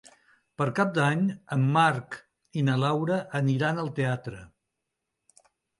Per Cap d'Any en Marc i na Laura aniran al teatre.